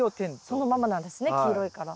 そのままなんですね黄色いから。